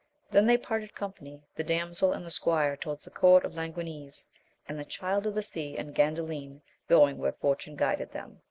They then parted company: the damsel and the squire toward the court of Languines, and the Child of the Sea and Gandalin going where fortune guided them.